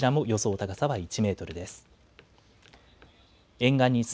高さは１メートルです。